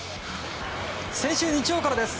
先週日曜からです。